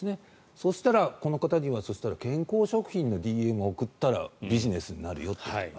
そしたら、この方には健康食品のＤＭを送ったらビジネスになるよと。